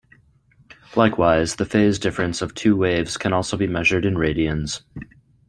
Likewise, the phase difference of two waves can also be measured in radians.